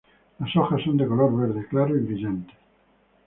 Las hojas son de color verde claro y brillante.